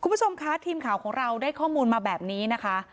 คุณผู้ชมคะทีมข่าวของเราได้ข้อมูลมาแบบนี้นะคะ